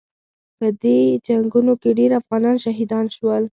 په دې جنګونو کې ډېر افغانان شهیدان شول.